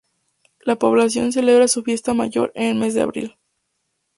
La población celebra su fiesta mayor en el mes de abril.